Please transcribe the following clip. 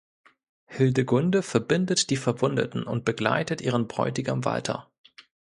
Hildegunde verbindet die Verwundeten und begleitet ihren Bräutigam Walther.